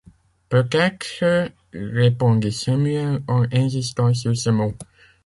Peut-être ! répondit Samuel en insistant sur ce mot.